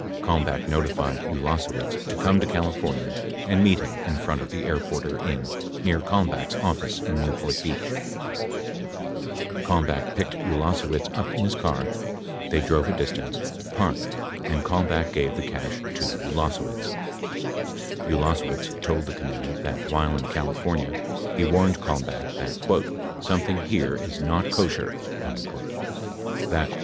Kalmbach notified Ulasewicz to come to Cali fornia and meet him in front of the Airporter Inn near Kalmbach's office in Newport Beach. Kalmbach picked Ulasewicz up in his car, they drove a distance, parked, and Kalmbach gave the cash to Ulase wicz. 93 Ulasewicz told the committee that, while in California, he warned Kalmbach that "something here is not Kosher," that